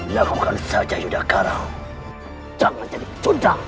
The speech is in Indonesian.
lakukan saja yudhakara jangan jadi pecunda